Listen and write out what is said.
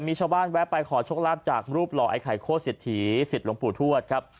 จะมีชาวบ้านแวะไปขอชกลับจากรูปหล่อไอ้ไข่โค้ดเสียดถีเสียดหลงผูทวดครับ